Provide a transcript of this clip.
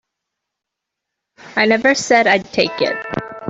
I never said I'd take it.